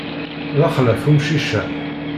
D axlaf umcic-a.